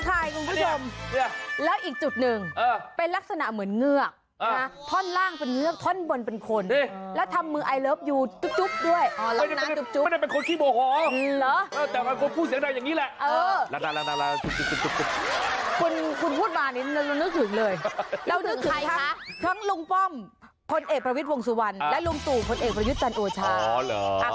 อ้าวจะมีแค่คุณพูดมานี่ดูนึกถึงเลยแล้วนึกถึงค่ะทั้งลุงป้อมคนเอกประวิฏวงศ์สุวรรณและลุงตู่คนเอกประวิฏจันทร์โอชาอ๋อเหรอ